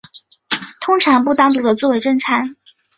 通常不单独地作为正餐。